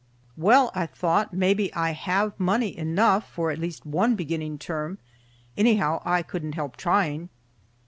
Well, I thought, maybe I have money enough for at least one beginning term. Anyhow I couldn't help trying.